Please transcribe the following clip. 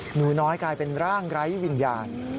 หนูน้อยกลายเป็นร่างไร้วิญญาณ